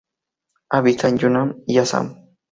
Habita en Yunnan y Assam.